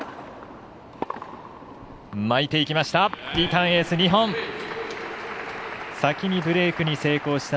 巻いていきました。